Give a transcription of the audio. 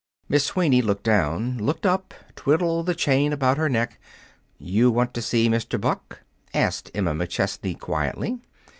Miss Sweeney looked down, looked up, twiddled the chain about her neck. "You want to see Mr. Buck?" asked Emma McChesney quietly.